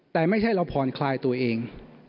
แต่ไม่ใช่เราผ่อนคลายตัวเอง